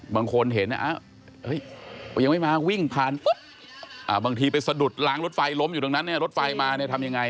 บางคนเห็นยังไม่มาวิ่งผ่านปุ๊บบางทีไปสะดุดล้างรถไฟล้มอยู่ตรงนั้นเนี่ยรถไฟมาเนี่ยทำยังไง